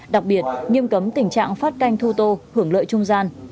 đặc biệt nghiêm cấm tình trạng phát canh thu tô hưởng lợi trung gian